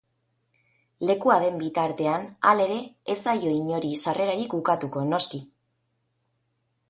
Lekua den bitartean, halere, ez zaio inori sarrerarik ukatuko, noski.